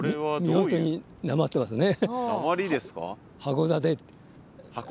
見事になまってますね。